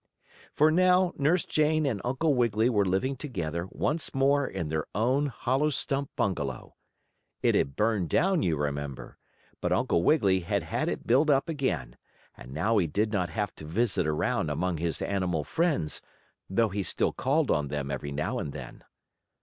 For now Nurse Jane and Uncle Wiggily were living together once more in their own hollow stump bungalow. It had burned down, you remember, but Uncle Wiggily had had it built up again, and now he did not have to visit around among his animal friends, though he still called on them every now and then.